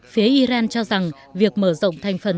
phía iran cho rằng việc mở rộng thành phần